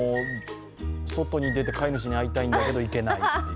外に出て飼い主に会いたいんだけど、行けない。